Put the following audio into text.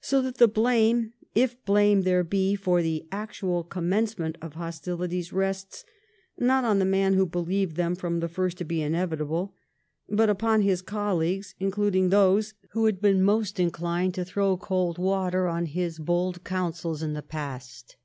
So that the blame, if blame there be, for the actual commencement of hostilities rests, not on the man who believed them from the first to be inevitable, but upon his colleagues, including those who had been most inclined to th^ow cold water on his bold counsels in the past.